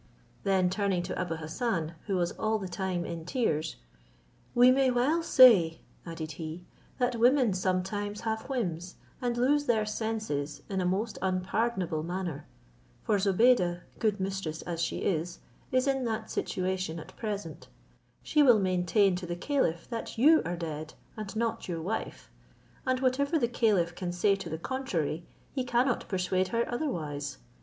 Then turning to Abou Hassan, who was all the time in tears, "We may well say," added he, "that women sometimes have whims, and lose their senses in a most unpardonable manner; for Zobeide, good mistress as she is, is in that situation at present; she will maintain to the caliph that you are dead, and not your wife; and whatever the caliph can say to the contrary, he cannot persuade her otherwise.